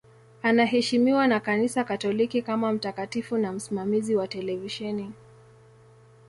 Anaheshimiwa na Kanisa Katoliki kama mtakatifu na msimamizi wa televisheni.